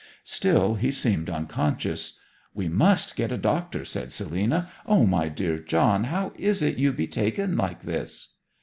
Still he seemed unconscious. 'We must get a doctor,' said Selina. 'O, my dear John, how is it you be taken like this?'